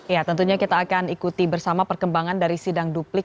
ya tentunya kita akan ikuti bersama perkembangan dari sidang duplik